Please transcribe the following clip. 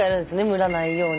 ムラないように。